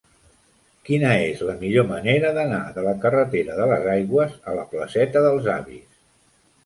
Quina és la millor manera d'anar de la carretera de les Aigües a la placeta dels Avis?